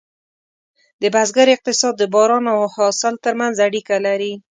د بزګر اقتصاد د باران او حاصل ترمنځ اړیکه لري.